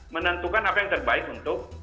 menentukan apa yang terbaik untuk